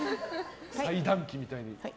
裁断機みたいに。